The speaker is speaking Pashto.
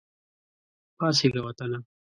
پاڅیږه وطنه !